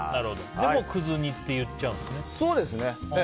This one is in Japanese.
で、もうくず煮っていっちゃうんですね。